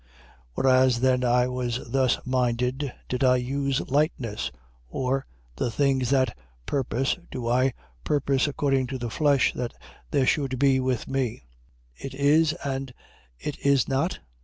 1:17. Whereas then I was thus minded, did I use lightness? Or, the things that I purpose, do I purpose according to the flesh, that there should be with me, It is, and It is not?